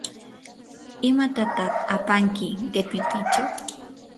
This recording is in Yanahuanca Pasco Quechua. ¿imatataq apanki qipikichaw?